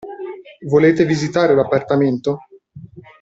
Volete visitare l'appartamento?